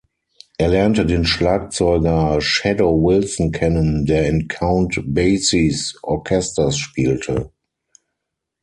Er lernte den Schlagzeuger Shadow Wilson kennen, der in Count Basies Orchester spielte.